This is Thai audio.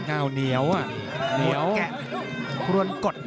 เอาเนียวอะเหนียวหลวนแกะหลวนกด